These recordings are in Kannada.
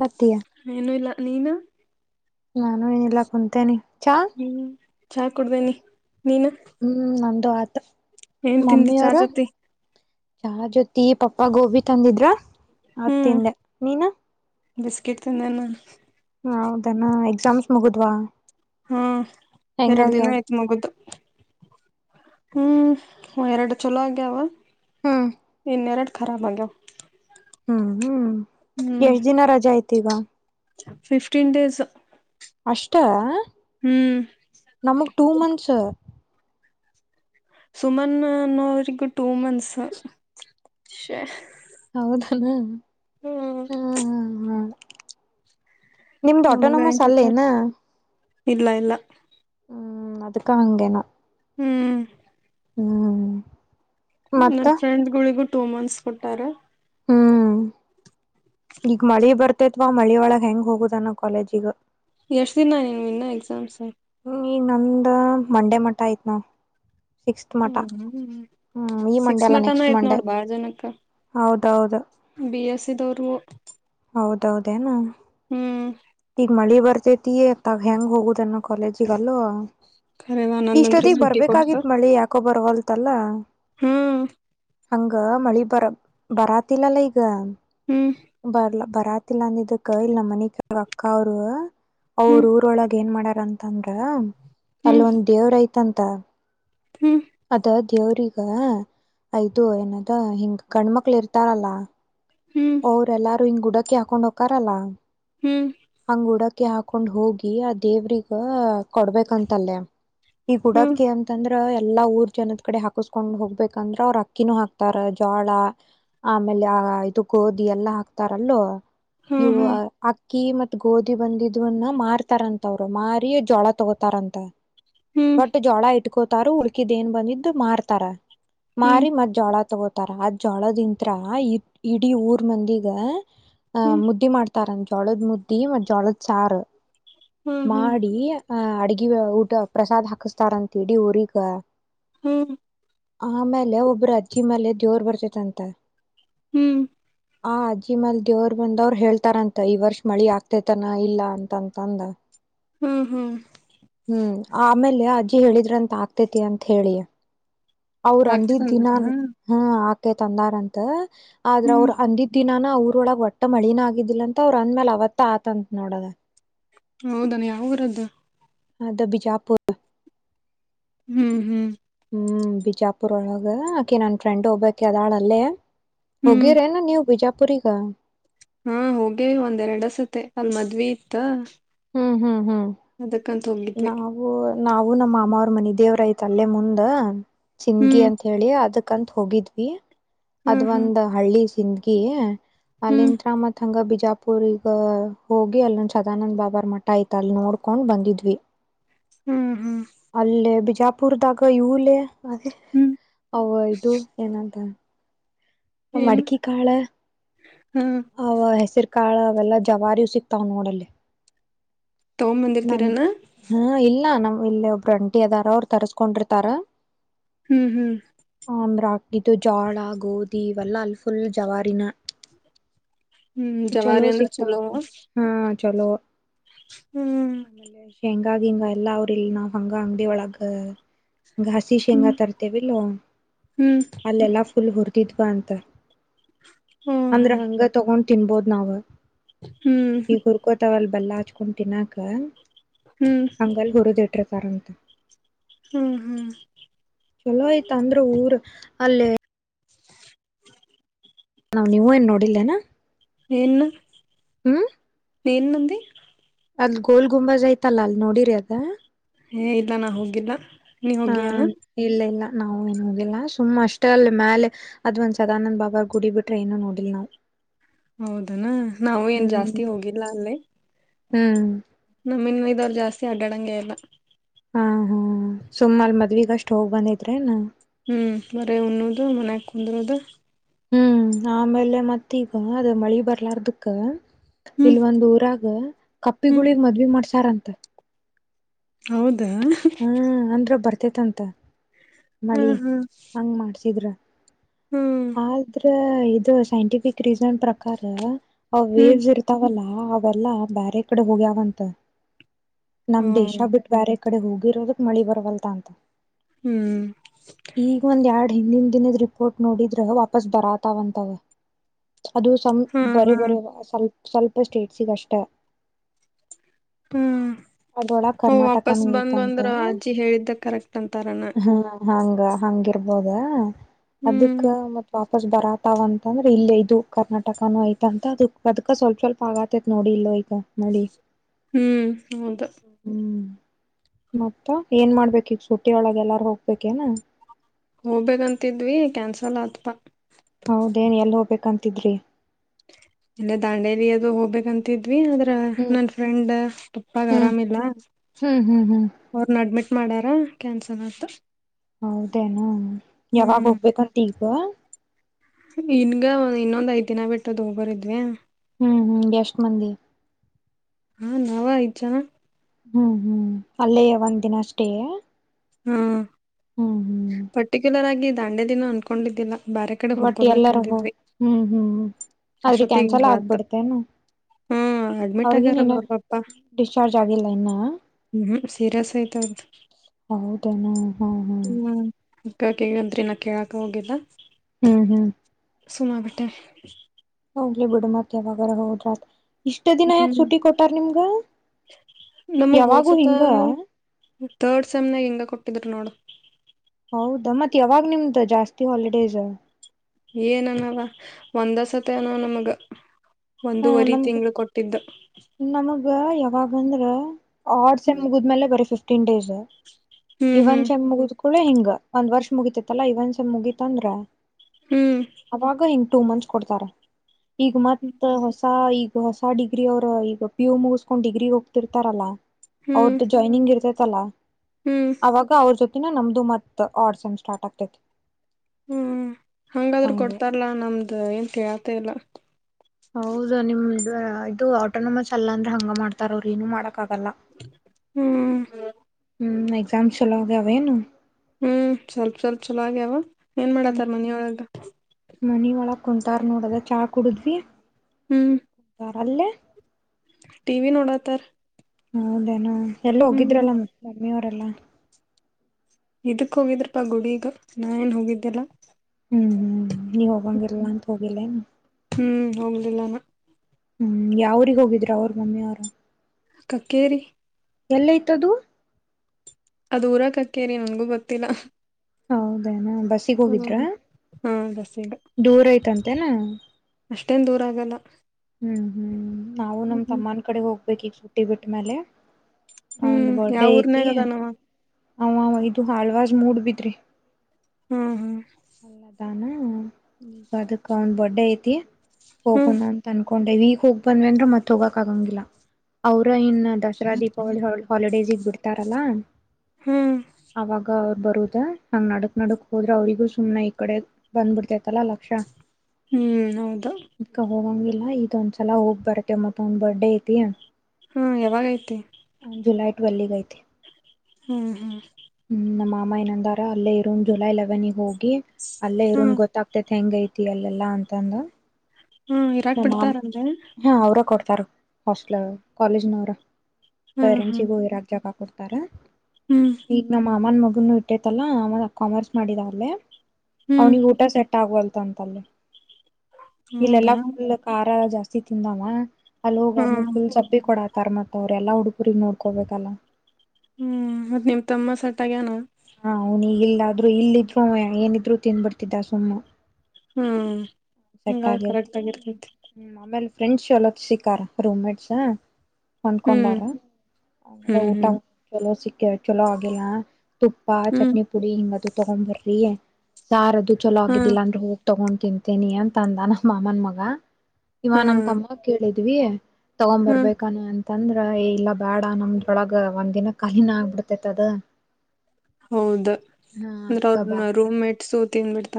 ಬತೀಯ ಏನು ಇಲ್ಲ ನೀನು? ನಾನು ಏನಿಲ್ಲ ಕುಂತೇನೆ. ಹ್ಮ್ ಚಾ ಕುಡ್ದೇನಿ ನೀನು? ಹ್ಮ್ ನಂದು ಆತು ಏನ್ ತಿಂದಿ ಚಾ ಮಮ್ಮಿಯವ್ರು? ಜೊತಿ [unintelligible] ಅಪ್ಪ ಗೋಬಿ ತಂದಿದ್ರ ಅದ್ ಹ್ಮ್ ತಿಂದೆ ನೀನು? ಬಿಸ್ಕಿಟ್ ತಿಂದಾನ ಹ ಹೌದೇನೂ ಎಕ್ಸಾಮ್ಸ್ ಮುಗುದ್ವಾ? ಹಾ ಎರಡು ದಿನ ಹೆಂಗಾಗ್ಯಾವ್ ಆಯ್ತು ಮಗ್ದು. ಹ್ಮ್ ಎರಡು ಚಲೋ ಆಗ್ಯಾವ. ಹ್ಮ್ ಇನ್ನೆರ್ಡು ಕರಾಬ್ ಆಗ್ಯಾವ್. ಹ್ಮ್ ಹ್ಮ್ ಎಷ್ಟ್ ದಿನ ರಜೆ ಐಯ್ತಿ ಈಗ? Fifteen days. ಅಷ್ಟೇ ನಮಗ್ ಟೂ ಮಂತ್ಸ್. ಸುಮನ್ ಅನ್ನೋರಿಗೂ ಟೂ ಮಂತ್ಸು. ಹೌದೇನು? ಹ್ಮ್ ನಿಮ್ದು ನಮಗ ಆಟೋನಮಸ್ ಹೆಂಗ ಕೊಟ್ಟಾರ ಅಲ್ಲೇನಾ? ಇಲ್ಲ ಇಲ್ಲ ಹ್ಮ್ ಅದಕ್ಕ ಅಂಗೇನ ಹ್ಮ್ ಹ್ಮ್ ಮತ್ತ ನನ್ ಫ್ರೆಂಡ್ಸ್ಗಳಿಗೂ ಟೂ ಮಂತ್ಸ್ ಕೊಟ್ಟಾರ. ಹ್ಮ್ ಈಗ್ ಮಳಿ ಬರ್ತೇತ್ವಾ ಮಳಿ ಒಳಗ ಹೆಂಗ್ ಹೋಗುದಾನ ಕಾಲೇಜಿಗ. ಎಷ್ಟ ದಿನ ನಮ್ಗ್ ಇನ್ನ ಎಕ್ಸಾಮ್ಸು. ಹ್ಮ ಈಗ್ ನಂದ ಮಂಡೆ ಮಟ ಐಯ್ತ್ ನೋಡ್. ಸಿಕ್ಸ್ತ್ ಮಠ ಹ್ಮ್ ಹ್ಮ್ ಈ ಮಂಡೇ ಸಿಕ್ಸ್ ಅಲ್ಲ ಮಂತನ್ ನೆಕ್ಸ್ಟ್ ಆಯ್ತ್ ಮಂಡೇ ನೋಡ್ ಬಾಳ ಜನಕ್ಕ. ಹೌದೌದು ಬಿ ಎಸ್ ಸಿ ದೋರು ಹೌದೌದೇನು? ಈಗ ಮಳಿ ಬರ್ತೇತಿ ಅತಗ ಹೆಂಗ್ ಹೋಗುದನ್ನು ಕಾಲೇಜಿಗ ಅಲ್ವಾ? ಖರೇದ ನಂದಂತ್ರಿ ಇಷ್ಟೊತ್ತಿಗ್ ಸುಟ್ಟಿ ಬರ್ಬೇಕಾಗಿತ್ತು ಮಳೆ ಯಾಕೋ ಬರ್ವಲ್ತಲ್ಲ. ಹ್ಮ ಹಂಗ ಮಳಿ ಬರ ಬರಾತಿಲ್ಲಲ್ಲ ಈಗ ಹ್ಮ್ ಬರ್ಲ ಬರಾತಿಲ್ಲ ಅಂದಿದ್ದಕ್ಕ ಇಲ್ಲ ನಮ್ಮ ಮನಿ ಬಲಿ ಅಕ್ಕ ಅವರು ಅವ್ರ ಹ್ಮ್ ಊರೊಳಗ ಏನ್ ಮಾಡಾರ ಅಂತ ಅಂದ್ರ ಅಲ್ಲಿ ಹ್ಮ್ ಒಂದ್ ದೇವ್ರ ಐತಂತ ಹ್ಮ್ ಅದ ದೇವ್ರಿಗಯ ಇದು ಏನದು ಹಿಂಗ ಗಣ್ಮಕ್ಳ ಇರ್ತಾರಲ್ಲ ಹ್ಮ್ ಅವ್ರ ಎಲ್ಲಾರು ಹಿಂಗ್ ಉಡಕಿ ಹಾಕೊಂಡ್ ಹೊಕಾರಲ್ಲ ಹ್ಮ್ ಹಂಗುಡಕ್ ಹಾಕೊಂಡ್ ಹೋಗಿ ಆ ದೇವ್ರಿಗ ಕೊಡ್ಬೇಕಂತಲ್ಲೇ ಈಗ ಹ್ಮ್ ಉಡಕ್ಕಿ ಅಂತಂದ್ರೆ ಎಲ್ಲಾ ಊರ್ ಜನದ ಕಡೆ ಹಾಕಸ್ಕೊಂಡ್ ಹೋಗ್ಬೇಕಂದ್ರೆ ಅವ್ರು ಅಕ್ಕಿನೂ ಹಾಕ್ತಾರ ಜೋಳ ಆಮೇಲೆ ಇದು ಗೋಧಿ ಎಲ್ಲಾ ಹಾಕ್ತಾರಲ್ಲೋ ಹ್ಮ್ ಇವು ಹ್ಮ್ ಅಕ್ಕಿ ಮತ್ತ್ ಗೋಧಿ ಬಂದಿದವನ್ನ ಮಾರ್ತಾರಂತ ಅವ್ರು ಮಾರಿ ಜೋಳ ತಗೋತಾರಂತ ಹ್ಮ್ ಹ್ಮ್ ವಟ್ ಜೋಳ ಇಟ್ಕೋತಾರ ಉಳಕಿದ್ ಏನ್ ಬಂದಿದ್ದ ಮಾರ್ತಾರ ಹ್ಮ್ ಮಾರಿ ಮತ್ ಜೋಳ ತಗೋತಾರ ಆ ಜೋಳದಿಂತ್ರ ಇ ಇಡೀ ಊರ್ ಮಂದಿಗ ಹ ಹ್ಮ್ ಮುದ್ದಿ ಮಾಡ್ತಾರಂತ ಜೋಳದ್ ಮುದ್ದಿ ಮತ್ತ ಜೋಳದ ಸಾರ ಹ್ಮ್ ಹ್ಮ್ ಮಾಡಿ ಆ ಅಡ್ಗಿ ಊಟ ಪ್ರಸಾದ್ ಹಾಕಿಸತಾರಂತ ಇಡೀ ಊರಿಗ ಹ್ಮ್ ಆಮೇಲೆ ಒಬ್ಬರ ಅಜ್ಜಿ ಮೇಲೆ ದೇವರ್ ಬರ್ತಿತಂತ ಹ್ಮ್ ಆ ಅಜ್ಜಿ ಮ್ಯಾಲ್ ದೇವರ್ ಬಂದವ್ರು ಹೇಳ್ತಾರಂತ ಈ ವರ್ಷ ಮಳಿ ಆಗ್ತೇತನ ಇಲ್ಲ ಅಂತಂತ ಅಂದ ಹ್ಮ್ ಹ್ಮ್ ಹ್ಮ್ ಆಮೇಲೆ ಅಜ್ಜಿ ಹೇಳಿದ್ರಂತ ಆಗ್ತೇತಿ ಅಂತ ಹೇಳಿ ಅವ್ರ ಅಂದಿದ್ ದಿನಾ ಆಗ್ತದಂದಾರ ಹ ಆಕೆ ತಂದಾರಂತ ಆದ್ರ ಹ್ಮ್ ಅವ್ರ ಅಂದಿದ್ ದಿನಾನ ಊರೊಳಗ್ ಒಟ್ಟ ಮಳಿನ ಆಗಿದ್ದಿಲ್ಲ ಅಂತ ಅವ್ರ ಅಂದ್ಮೇಲ ಅವತ್ತ ಆತಂತತ್ ನೋಡದ ಹೌದನ ಯಾವುರದ್ದು ಅದ ಬಿಜಾಪುರ್ ಹ್ಮ್ ಹ್ಮ್ ಹ್ಮ್ ಬಿಜಾಪುರ ಒಳಗ ಆಕೆ ನನ್ ಫ್ರೆಂಡ್ ಒಬ್ಬಕಿ ಅದಾಳ ಅಲ್ಲೇ ಹ್ಮ್ ಹೋಗಿರೇನ ನೀವು ಬಿಜಾಪುರಿಗ ಹಾ ಹೋಗೇವಿ ಒಂದರೆಡಸತೆ ಒಂದ ಮದ್ವಿ ಇತ್ತ ಹ್ಮ್ ಹ್ಮ್ ಹ್ಮ್ ಅದಕ್ಕಂತ ಹೋಗಿದ್ವಿ ನಾವು ನಾವು ನಮ್ಮ ಮಾಮ್ಮ ಅವ್ರ ಮನಿ ದೇವ್ರ ಐ್ತಲ್ಲೇ ಮುಂದ್ ಸಿಂದಗಿ ಹ್ಮ್ ಅಂತ ಹೇಳಿ ಅದಕ್ ಕಂತ ಹೋಗಿದ್ವಿ ಅದ್ ಹ್ಮ್ ಹ್ಮ್ ಒಂದ್ ಹಳ್ಳಿ ಸಿಂದಗಿ ಹ್ಮ್ ಅಲ್ಲಿಂತ್ರರ ಮತ್ ಹಂಗ ಬಿಜಾಪುರ್ ಈಗ ಹೋಗಿ ಅಲ್ಲಿಂದ ಸದಾನಂದ್ ಬಾಬಾ ಮಟ್ಟ ಆಯ್ತ ಅಲ್ಲಿ ನೋಡ್ಕೊಂಡ್ ಬಂದಿದ್ವಿ ಹ್ಮ್ ಹ್ಮ್ ಅಲ್ಲೆ ಬಿ ಬಿಜಾಪುರದಾಗ ಇವುಲೇ ಅದೇ ಹ್ಮ್ ಅವ ಇದು ಏನಂತ ಏನ್ ಮಡಕಿ ಕಾಳ ಹಾ ಅವ ಹೆಸರ ಕಾಳ ಇವೆಲ್ಲಾ ಜವಾರಿ ಸಿಕ್ತಾವ ನೋಡಲ್ಲಿ ನಮ ತಗೊಂಬಂದಿರ್ತೀರನಾ ಹ್ಮ ಇಲ್ಲ ನಮ್ ಇಲ್ಲೆ ಒಬ್ಬ್ರ ಅಂಟಿದಾರ ಅವರು ತರಿಸಸ್ಕೊಂಡಿರ್ತಾರ ಹ್ಮ್ ಹ್ಮ್ ಇದು ಜೋಳ ಗೋಧಿ ಇವೆಲ್ಲಾ ಅಲ್ಲಿ ಫುಲ್ ಜವಾರಿನ ಹ್ಮ್ ಚಲೋ ಜವಾರಿ ಅಂದ್ರ ಸಿಗ್ತವ ಚಲೋ ಹಾ ಚಲೋ ಹ್ಮ್ ಆಮೇಲೆ ಶೆಂ ಹಾಗಿ ಹಿಂಗ ಎಲ್ಲ ಅವ್ರ ಇಲ್ ನಾವ್ ಹಂಗ ಅಂಗಡಿಯ ಒಳಗ ಹ ಹಸಿ ಹ್ಮ್ ಶೆಂಗ ತರ್ತೇವಿಲ್ ಹ್ಮ್ ಹುರಿದಿದ್ವ ಅಂತ ಅಂದ್ರ ಹಂಗ ತಗೊಂಡ್ ತಿನ್ಬೋದ್ ನಾವ ಈಗ ಹುರ್ಕೋತಾವಲ್ ಬೆಲ್ಲ ಹಚ್ಕೊಂಡ್ ತಿನ್ನಾಕ ಹ್ಮ್ ಅಂಗಲ್ಲಿ ಉರದ ಇಟ್ಟಿರತಾರಂತ ಹ್ಮ್ ಚಲೋ ಆಯ್ತ ಅಂದ್ರ ಊರ್ ಅಲ್ಲೇ ನಾವ್ ನೀವೂ ಏನ್ ನೋಡಿಲ್ಲೇನಾ ಏನ್ನ ಏನಂದಿ ಅದ ಗೋಲ್ ಗುಂಬಜ್ ಐತಲ್ಲಾ ಅಲ್ ನೋಡಿರಿ ಅದ ಏ ಇಲ್ಲ ನಾ ಹೋಗಿಲ್ಲ ನೀ ಹೋಗಿಯಾನ. ನಾವ್ ಏನು ಹೋಗಿಲ್ಲ ಸುಮ್ಮ್ ಅಷ್ಟ ಅಲ್ ಮೇಲೆ ಅದ್ ಒಂದ್ ಸದಾನಂದ್ ಬಾಬಾ ಗುಡಿ ಬಿಟ್ರೆ ಏನು ನೋಡಿಲ್ ನಾ ಹೌದೆನಾ ನಾವು ಏನ್ ಜಾಸ್ತಿ ಹೋಗಿಲ್ಲ ಅಲ್ಲಿ. ಹ್ಮ್ ನಮ್ಮಿನ್ [unintelligible] ಜಾಸ್ತಿ ಅಡ್ಡಾಡಂಗೆ ಇಲ್ಲ ಹಾ ಹಾ ಸುಮ್ ಅಲ್ ಮದ್ವಿಗಷ್ಟ್ ಹೋಗ್ ಬಂದಿದ್ರೇನಾ. ಹ್ಮ್ ಬರೆ ಉಣ್ಣದು ಮನೆ ಕುಂದ್ರದೂ ಹ್ಮ್ ಆಮೇಲೆ ಮತ್ತ್ ಈಗ ಅದ ಮಳಿ ಬರ್ಲಾರ್ದಕ್ಕ ಹ್ಮ್ ಇಲ್ಲಿ ಒಂದ್ ಊರಾ ಈ ಕಪ್ಪಿ ಹ್ಮ್ ಗುಳಿಗ್ ಮದ್ವಿ ಮಾಡ್ಸಾರಂತ. ಹೌದಾ ಬರ್ತಿಂತ ಹಾ ಮಳಿ ಹಾ ಹಂಗ ಮಾಡ್ಸಿದ್ರ ಹ್ಮ್ ಆದ್ರ ಇದು ಸೈಂಟಿಫಿಕ್ ರೀಸನ್ ಪ್ರಕಾರ. ಅವ್ ಹ್ಮ್ ವೇಜ್ ಇರ್ತಾವಲ್ಲ ಅವೆಲ್ಲಾ ಬ್ಯರೆ ಕಡೆ ಹೋಗ್ಯಾವಂತ ನಮ್ ದೇಶ ಹ್ಮ್ ಬಿಟ್ಟು ಬೇರೆ ಕಡೆ ಹೋಗಿರೋದಕ್ ಮಳಿ ಬರವಲ್ತ ಅಂತ ಹ್ಮ್ ಈಗ ಒಂದ್ ಎರಡ್ - - ಹಿಂದಿನ್ ದಿನ ದ್ ರಿಪೋರ್ಟ್ ನೋಡಿದ್ರ ವಾಪಸ್ ಬರಾತಾವಂತವು. ಅದು ಸಂ ಹ್ಮ್ ಬರಿ ಹ್ಮ್ ಬರಿ ಸ್ಲ್ ಸ್ವಲ್ಪ ಸ್ಟೇಟ್ಸ್ ಗಷ್ಟೇ ಹು ಓ ವಾಪಸ್ ಬಂದ್ ಐತಂತ ಅಂದ್ರ ಅಜ್ಜಿ ಹೇಳಿದ್ದ ಕರೆಕ್ಟ್ ಅಂತಾರನ. ಹ ಹಂಗ ಹಂಗಿರ್ಬೋದ ಹ್ಮ್ ಅದಕ್ಕ ಮತ್- ವಾಪಸ್ ಬರಾತಾವ ಅಂತಂದ್ರ ಇಲ್ಲೇ ಇದು ಕರ್ನಾಟಕಾನೂ ಆಯ್ತ ಅಂತ ಅದಕ್ ಅದ್ ಸ್ವಲ್ಪ ಸ್ವಲ್ಪ ಆಗತೈತ್ ನೋಡಿ ಇಲ್ಲೋಯ್ [unintelligible] ಮಾಡಿ ಹ್ಮ್ ಹೌದ ಮತ್ತ ಏನ್ ಮಾಡ್ಬೇಕ್ ಈಗ ಸುಟ್ಟಿಯೊಳಗ ಎಲ್ಲಾರು ಹೋಗ್ಬೇಕೇನ. ಹೋಗ್ಬೇಕೇಂತಿದ್ವಿ ಕ್ಯಾನ್ಸಲ್ ಆತ್ಪ ಕಾಣ್ತಿದ್ರಿ ಇಲ್ಲ ದಾಂಡೇಲಿ ಅದು ಹೋಗ್ಬೇಕಂತಿ ಅದ್ರ ಹ್ಮ್ ನನ್ ಫ್ರೆಂಡ್ ಪಪ್ಪಾಗ ಹ್ಮ್ ಆರಾಮಿಲ್ಲ ಹ್ಮ್ ಹ್ಮ್ ಹ್ಮ್ ಅವ್ರನ್ನ ಅಡ್ಮಿಟ್ - - ಮಾಡಾರಾ ಕ್ಯಾನ್ಸಲ್ ಆತು ಹೌದೇನ ಯಾವಾಗ ಹ್ಮ್ ಹೋಗ್ಬೇಕಂತ ಈಗ. ಇನ್ಗ ಇನ್ನೊಂದ್ ಐದ್ ದಿನ ಬಿಟ್ಟದ್ [unintelligible] ಹ್ಮ್ ಹ್ಮ್ ಎಷ್ಟ್ ಮಂದಿ ಹಾ ನಾವ ಐದ್ ಜನ ಹ್ಮ್ ಹ್ಮ್ ಅಲ್ಲೇ ಒಂದ್ ದಿನ ಅಷ್ಟೇ. ಹ್ಮ್ ಹ್ಮ್ ಹ್ಮ್ ಪರ್ಟಿಕ್ಯುಲರ್ ಆಗಿ ದಾಂಡ್ಯ ದಿನ ಅನ್ಕೊಂಡಿದ್ದಿಲ್ಲ ಬಾರೆ ಕಡೆ ಒಟ್ ಎಲ್ಲಾರ ಹೋ ಹುಡ್ಕೊಬೇಕಂತಿದ್ವಿ ಹ್ಮ್ ಹ್ಮ್ ಆದ್ರೆ ಅಷ್ಟೊತ್ತಿಗ್ ಕ್ಯಾನ್ಸಲ್ ಹಿಂಗಾತು. ಆಗ್ಬಿಡ್ತೇನು ಹಾ ಅಡ್ಮಿಟ್ ಅವ್ರಿಗೇನ್ ಇನ್ನ ಆಗ್ಯಾರಲ್ಬಪ್ಪ ಡಿಸ್ಚಾರ್ಜ್ ಆಗಿಲ್ಲ ಇನ್ನ ಹ್ಮ್ ಸೀರಿಯಸ್ ಐ [unintelligible] ಹೌದೆನೊ ಹ ಹ ಹ್ಮ್ ಅಕ್ಕ [unintelligible] [unintelligible] ಹೋಗಿಲ್ಲ ಹ್ಮ್ ಹ್ಮ್ ಸುಮ ಬಿಟ್ಟೆ ಹೋಗ್ಲಿ ಬಿಡ ಮತ್ ಯಾವಾಗರ ಹೋದ್ರತ್ ಇಷ್ಟ ದಿನ ಯಾಕೆ ಹ್ಮ್ ಸುಟ್ಟಿ ಕೊಟ್ಟಾರ ನಿಮ್ಗ ಯಾವಾಗೂ ಹಿಂಗ ಥರ್ಡ್ ಸೆಮ್ನಾ ಗ್ ಹಿಂಗ ಕೊಟ್ಟಿದ್ರು ನೋಡು ಹೌದಾ ಮತ್ ಯಾವಾಗ್ ನಿಮ್ದು ಜಾಸ್ತಿ ಹಾಲಿಡೇಸ್ ಏನನವ ಒಂದಸತೆ ಏನೋ ನಮಗ. ಹ್ಮ ಒಂದೂವರಿ ನಮ್ಗ ತಿಂಗ್ಳು ಕೊಟ್ಟಿದ್ದು. ಯಾಗ ಅಂದ್ರೆ ಆಡ್ ಸೆಮ್ ಹ್ಮ್ ಮುಗಿದ್ಮೇಲೆ ಬೇರಿ ಫಿಫ್ಟೀನ್ ಡೇಸ್ ಹ್ಮ್ ಇವನ್ ಸೇಮ್ ಮುಗ್ದ ಕಳೂ ಹಿಂಗ ಒಂದ್ ವರ್ಷ ಮುಗಿತ್ತಲ್ಲ ಇವಂದ್ ಸೇಮ್ ಮುಗೀತು ಅಂದ್ರೆ ಹ್ಮ್ ಅವಾಗ ಹಿಂಗ್ ಟು ಮಂತ್ಸ್ ಕೊಡ್ತಾರ ಈಗ ಮತ್ ಹೊಸ ಈಗ ಹೊಸ ಡಿಗ್ರಿ ಅವರು ಈಗ ಪಿ ಯು ಮುಗಿಸಕೊಂಡ್ ಡಿಗ್ರಿ ಹೋಗ್ತಿರ್ತಾರಲ್ಲ ಹ್ಮ್ ಅವರದ್ದು ಜಾಯನಿಂಗ್ ಇರ್ತೇ ತ್ ಅಲ್ಲ ಹ್ಮ್ ಅವಾಗ ಅವ್ರ ಜೊತೀನೆ ನಮ್ದು ಮತ್ ಆಡ್ಸ ಸೆಮ್ ಸ್ಟಾರ್ಟ್ ಆಗ್ತೈತಿ ಹ್ಮ್ ಹಂಗಾದ್ರರು ಕೊಡ್ತಾರಲ್ಲಾ ನಮ್ದ್ ಏನ್ ಕ್ಯಾತೆ ಇಲ್ಲ ಹೌದು ನಿಮ್ ಇ ಇದು ಆಟೋನಮಸ್ ಅಲ್ಲ ಅಂದ್ರೆ ಹಂಗ ಮಾಡ್ತಾರ ಅವ್ರೂ ಹಿಂಗ್ ಮಾಡಕ್ ಕಗಲ್ಲ ಹ್ಮ್ ಹ್ಮ್ ಎಕ್ಸಾಮ್ ಚಲೋ ಅದವೇನು ಹ್ಮ್ ಸ್ವಲ್ಪ ಸ್ವಲ್ಪ ಚಲೋ ಆಗ್ಯಾವ ಏನ್ ಮಾಡಾತಾರ್ ಮನೆಯೊಳಗ ಮನಿ ಒಳಗ್ ಕುಂತಾರ್ ನೋಡು ಅದೇ ಚಾ ಕುಡುದ್ವಿ ಹ್ಮ್ ಅಲ್ಲೆ ಟಿ ವಿ ನೋಡತಾರ್ ಹೌದೇನು ಎಲ್ಲೋ ಹೋಗಿದ್ರಲ್ಲ ಮತ್ತ್ ಮನೆಯವರೆಲ್ಲಾ ಇದಕ್ ಹೋಗಿದ್ರಪ್ಪಾ ಗುಡಿಗ ನಾ ಏನ್ ಹೋಗಿದ್ದೆಲ್ಲ. ಹ್ಮ್ ಹ್ಮ್ ನೀ ಹೋಗಂಗಿಲ್ಲ ಅಂತ ಹೋಗಿಲ್ಲೇನು ಹೋಗಲಿಲ್ಲ ಅಂದ್ರೆ ಹ್ಮ್ ಯಾವ್ ಊರಗೆ ಹೋಗಿದ್ರರು ಅವ್ರ ಮನೆಅವರು. ಕಕ್ಕೇರಿ ಎಲ್ಲಿ ಐತ್ ಅದು ಅದು ಊರ ಕಕ್ಕೇರಿ ನನಗೂ ಗೊತ್ತಿಲ್ಲ. ಹೌದೇನಾ ಬಸ್ಸಿಗ್ ಹೋಗಿದ್ರ ಹ್ಮ್ ಹಾ ಬಸ್ಸಿಗ ದೂರ ಐತೆ ಅಂತೇನ ಅಷ್ಟೇನು ದೂರ ಆಗಲ್ಲ ಹ್ಮ್ ಹ್ಮ್ ನಾವು ನಮ್ ಹ್ಮ್ ತಮ್ಮನ ಕಡೆ ಹೋಗ್ಬೇಕ್ ಈಗ ಸುಟ್ಟಿ ಬಿಟ್ಟ್ಮೇಲೆ ಅವನದ್ದು ಹ್ಮ್ ಯಾವ ಬರ್ಡೇ ಐತಿ ಊರ್ನಾಗ ಅದಾನವ ಅವ ಇದು ಆಳ್ವಾಸ್ ಮೂಡಬಿದ್ರಿ ಹ್ಮ್ ಹ್ಮ್ ಅಲ್ಲ ದಾನ ಈಗ ಅದಕ್ಕ ಒಂದ್ ದಡ್ಡ ಐತಿ ಹ್ಮ್ ಹ್ಮ್ ಹೋಗೋಣ ಅಂತ ಅನ್ಕೊ ಒಂದ್ ಈಗ ಹೋಗ್ ಬಂದವಿ ಅಂದ್ರೆ ಮತ್ ಹೋಗಕ್ ಆಂಗಿಲ್ಲಾ ಅವ್ರ ಇನ್ ದಸರಾ ದೀಪಾವಳಿ ಹಾಲಿಡೇಸ್ಗ್ ಬಿಡ್ತಾರಲ್ಲ ಹ್ಮ್ ಅವಾಗ ಬರುದಾ ಹಂಗ್ ನಡಕ್ ನಡಕ್ ಹೋದ್ರೆ ಅವ್ರಿಗು ಸುಮ್ಮನೆ ಈಡೆ ಬಂದ್ಬಿಡ್ತೈತಿ ತಲ ಲಕ್ಷ ಹ್ಮ್ ಹೌದು ಇ ಹೋಗಂಗ್ ಇಲ್ಲೆ ಇದೊಂದ್ಸಲ ಹೋಗ್ ಬರುತ್ತೆ ಮತ್ತ್ ಒಂದ್ ದಡ್ ಐತಿ ಹಾ ಯಾವಾಗ ಐತಿ ಬಲ್ಲಿಗಾಯೈ ಹ್ಮ್ ಹ್ಮ್ ಅಮ್ಮ ಏನ್ ಅಂದಾರ ಅಲ್ಲೇ ಇರುನ್ಗೆ ಲೆವೆನ್ ಹೋಗಿ ಅಲ್ಲ ಹ್ಮ್ ಇರೋನ್ ಗೊತ್ತಾಗ್ತೈ ಹೆಂಗ್ ಐತಿ ಅಲ್ಲೆಲ್ಲಾ ಅಂತಂದು ಹ್ಮ್ ಇರಾಕ್ ನಮ್ಮ ಮಮ್ ಬಿಡ್ತಾರನ್ರಿ ಅವರೇ ಕೊಡ್ತಾರೂ ಹಾಸ್ಟ್ಲ್ ಕಾಲೇಜನವರ ಹ್ಮ್ ಹ್ಮ್ ಪೇರೆಂಟ್ಸಿಗೂ ಇರಕ್ ಜಾಗ ಕೊಡ್ತಾರ. ಹ್ಮ್ ಈಗ ನಮ್ಮ ಮಾಮನ ಮಗುನು ಇಟ್ಟೈತಲ್ಲ ಅವ ಕಾಮರ್ಸ್ ಮಾಡಿದ ಅಲ್ಲೇ ಹ್ಮ್ ಅವ್ನಿಗೆ ಊಟ ಸೆಟ್ ಆಗುವಲ್ತ ಅಂತ ಅಲ್ಲಿ ಹೌದಾ ಇಲ್ಲಿ ಖಾರ ಜಾಸ್ತಿ ತಿಂದಾನ ಅಲ್ಲಿ ಹೋಗಾದ್ಮೇಲೆ ಹ್ಮ್ ಫುಲ್ ಸಪ್ಪಿ ಕೊಡತಾರ ಮತ್ ಅವ್ರೆಲ್ಲಾ ಹುಡುಗರಿಗ್ ನೋಡ್ಕೋಬೇಕಲ್ಲಾ ಹ್ಮ್ ಮತ್ ನಿಮ್ ತಮ್ಮ ಸೇಟ್ಟಗ್ಯಾನ ಹಾ ಅವನಿಗ್ ಇಲ್ಲಾದ್ರು ಇಲ್ಲ ಇದ್ರು ಏನಿದ್ರು ತಿನ್ಬಡ್ತಿದ್ದ ಸುಮ್ಮನೆ ಹ್ಮ್ ಸೇಟ್ ಹಂಗಾದ್ರ ಆಗೈತಿ ಕರೆಕ್ಟ್ ಆಗಿರ್ತೈತಿ ಹ್ಮ ಆಮೇಲ್ ಫ್ರೆಂಡ್ಸ್ ಚಲೋ ಸಿಕ್ಕಾರ ರೂಮ್ ಮೇಟ್ಸ್ ಹ್ಮ್ ಹೊಂದ್ಕೊಡಾರ ಆದ್ರ ಹ್ಮ್ ಊಟ ಹ್ಮ್ ಚಲೋ ಸಿಕ್ಕ ಚಲೋ ಆಗಿಲ್ಲ. ತುಪ್ಪ ಹ್ಮ್ ಚಟ್ನಿ ಪುಡಿ ಮತ್ ತಗೊಂಡ್ ಬರ್ರಿ ಸಾರ್ ಅದು ಚಲೋ ಹಾ ಆಗಿದ್ದಿಲ್ಲಾ ಅಂದ್ರು ಹೋಗ್ ತಗೊಂಡ್ ತಿಂತೇನಿ ಅಂತ ಅಂದ ಮಾಮನ್ ಮಗ. ಇವ ಹಾ ನಮ್ ತಮ್ಮ ಕೇಳಿದ್ವಿ ತಗೊ ಹಾ ಬರ್ಬೇಕಾನ ಅಂ ತಂದ್ರ ಇಲ್ಲ ಬೇಡ ನಮ್ದೊಳಗ ಒಂದ್ ದಿನ ಖಾಲೀನಾ ಆಗ್ಬಿಡ್ತೆೇತ್ ಅದ. ಹೌದ್ ಹಾ ಅಂದ್ರೆ ಅವ್ರ ರೂಮ ಮೇಟ್ಸ್ ತಿಂದ್ಬಿಡ್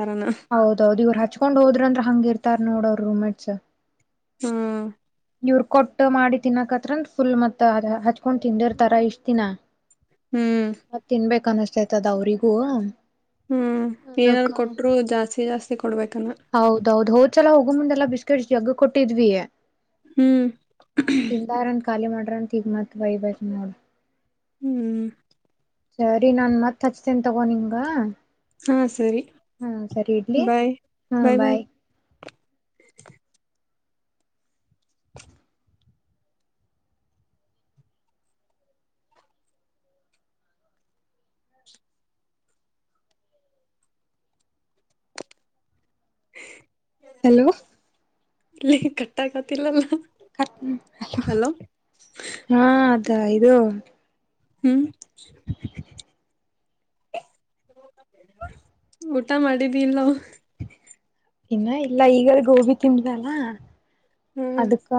ಹೌದೌದದು ಇವ್ರು ಹಚ್ಕೊಂಡ್ ಹೋದ್ರ ಅಂದ್ರ ಹಂಗ ಇರ್ತಾರ್ ನೋಡ ಅವ್ರ ರೂಮೇಟ್ಸ್. ಹ್ಮ್ ಇವರು ಕೊಟ್ಟ ಮಾಡಿ ತಿನ್ನಕತ್ರಂದ ಫುಲ್ ಮತ್ತ ಹಚ್ಕೊಂಡ್ ತಿಂದಿರ್ತರ ಇಷ್ಟ ದಿನ. ಹ್ಮ್ ಮತ್ ತಿನ್ಬೇಕ ಅನ್ನಿಸತಾಯ್ತದ ಅವ್ರಿಗೂ. ಹ್ಮ್ ಏನಾರ ಅದಕ್ಕ ಕೊಟ್ರು ಜಾಸ್ತಿ ಜಾಸ್ತಿ ಕೊಡ್ಬೇಕಲ್ಲ. ಹೌದು ಹೋದ್ಸಲ ಹೋಗ ಮುಂದೆಲ್ಲ ಬಿಸ್ಕೆಟ್ಸ್ ಜಗ್ ಕೊಟ್ಟಿದ್ವಿ. ಹ್ಮ್ ಹ ತಿಂದಾರನ್ ಖಾಲಿ ಮಾಡ್ರಂತ ಈಗ ಮತ್ ಬಯಬೇಕ್ ನೋಡ್. ಹ್ಮ್ ಸರಿ ನಾ ಮತ್ ಹಚ್ತೇನೆ ತಗೋ ನಿಂಗಾ. ಹಾ ಸರಿ ಬಾಯ್ ಬಾಯ್ ಬಾಯ್ [inaudible] [inaudible] ಹಲೋ ಇಲ್ಲಿ ಕಟ್ಟಕತಿಲ್ಲಲ್ಲ. ಹಲೋ ಹ ಕ ಇದು. ಹ್ಮ್ [inaudible] ಊಟ ಮಾಡಿದಿಲ್ಲೊ. ಇನ್ನ ಇಲ್ಲ ಈಗ ಗೋಬಿ ತಿಂದ್ದ ಅಲ್ಲ ಹ್ಮ ಅದಕ್ಕ.